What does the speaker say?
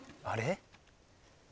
あれ？